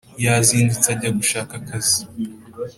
yazindutse ajya gushaka akazi